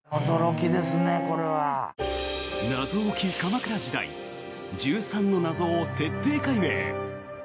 謎多き鎌倉時代１３の謎を徹底解明！